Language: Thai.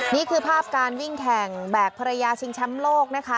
นี่คือภาพการวิ่งแข่งแบกภรรยาชิงแชมป์โลกนะคะ